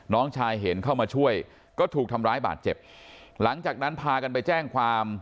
น้องชายเห็นเข้ามาช่วยก็ถูกทำร้ายบาดเจ็บหลังจากนั้นพากันไปแจ้งความ